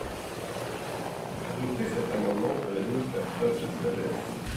Adopter cet amendement serait donc faire preuve de sagesse.